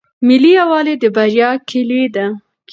ملي یووالی د بریا کیلي ده.